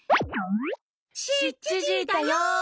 ７じだよ。